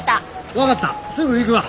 分かったすぐ行くわ。